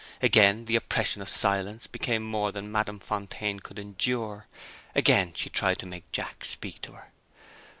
Again the oppression of silence became more than Madame Fontaine could endure. Again she tried to make Jack speak to her.